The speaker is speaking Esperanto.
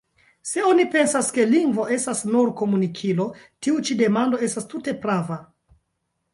Se oni pensas, ke lingvo estas nur komunikilo, tiu ĉi demando estas tute prava.